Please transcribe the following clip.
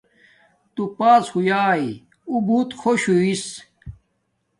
تو پاس ہویاݵ اݸ بوت خوش ہوݵس